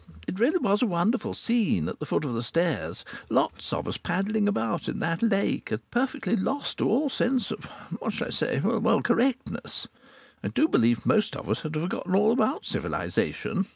It really was a wonderful scene, at the foot of the stairs, lots of us paddling about in that lake, and perfectly lost to all sense of what shall I say? well, correctness. I do believe most of us had forgotten all about civilization.